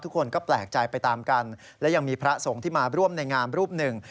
ทุกคนก็แปลกใจไปตามกันและยังมีพระสงฆ์ที่มาร่วมในงามรูปหนึ่ง